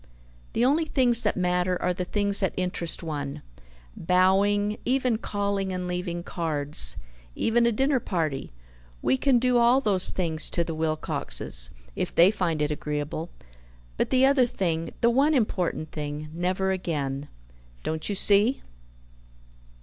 The only things that matter are the things that interest one. Bowing, even calling and leaving cards, even a dinner party we can do all those things to the Wilcoxes, if they find it agreeable; but the other thing, the one important thing never again. Don't you see?"